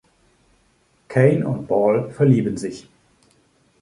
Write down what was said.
Kane und Ball verlieben sich.